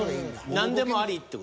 何でもありって事？